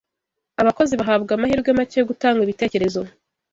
abakozi bahabwa amahirwe make yo gutanga ibitekerezo